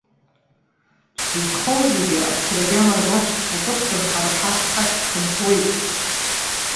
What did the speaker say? Ԥсы зхоу зегьы аԥсра агьама рбашт. Аҵыхәтәан, ҳара ҳахь шәхынҳәуеит.